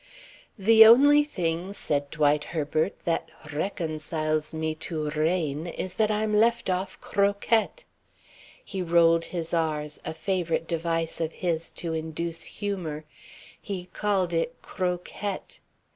"The only thing," said Dwight Herbert, "that reconciles me to rain is that I'm let off croquet." He rolled his r's, a favourite device of his to induce humour. He called it "croquette."